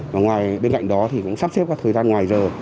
và ngoài bên cạnh đó thì cũng sắp xếp các thời gian ngoài giờ